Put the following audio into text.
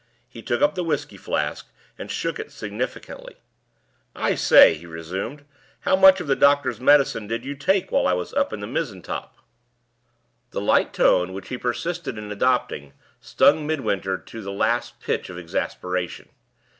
He took up the whisky flask, and shook it significantly. "I say," he resumed, "how much of the doctor's medicine did you take while I was up in the mizzen top?" The light tone which he persisted in adopting stung Midwinter to the last pitch of exasperation.